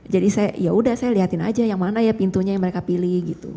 jadi saya yaudah saya liatin aja yang mana ya pintunya yang mereka pilih gitu